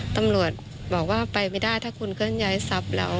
ตำรวจบอกว่าไปไม่ได้ถ้าคุณก็ย้ายทรัพย์แล้ว